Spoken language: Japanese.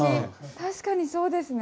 確かにそうですね。